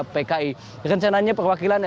pki rencananya perwakilan